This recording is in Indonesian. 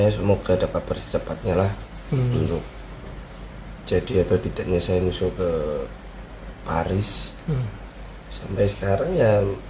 semoga dapat percepatnya lah untuk jadi atau tidaknya saya nyusul ke paris sampai sekarang ya